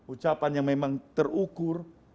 ucapan yang memang terukur